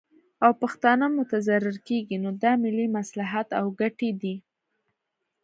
او پښتانه متضرر کیږي، نو دا ملي مصلحت او ګټې دي